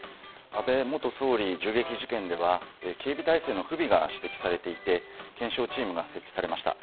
安倍元総理銃撃事件では警備体制の不備が指摘されていて検証チームが設置されました。